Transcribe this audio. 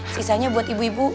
sisanya buat ibu ibu